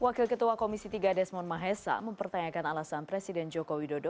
wakil ketua komisi tiga desmond mahesa mempertanyakan alasan presiden joko widodo